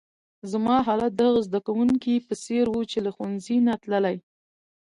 زما حالت د هغه زده کونکي په څېر وو، چي له ښوونځۍ نه تللی.